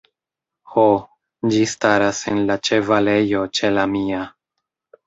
Ho; ĝi staras en la ĉevalejo ĉe la mia.